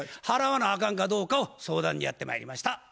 払わなあかんかどうかを相談にやってまいりました。